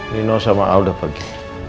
nino sama al udah pagi